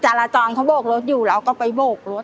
จราจรเขาโบกรถอยู่เราก็ไปโบกรถ